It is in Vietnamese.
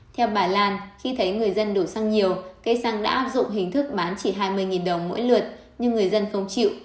theo bà lan khi thấy người dân đổ xăng nhiều cây xăng đã áp dụng hình thức bán chỉ hai mươi đồng mỗi lượt nhưng người dân không chịu